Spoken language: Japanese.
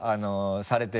されてる？